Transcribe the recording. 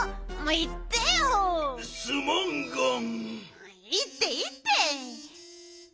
いいっていいって。